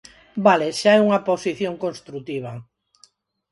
Vale, xa é unha posición construtiva.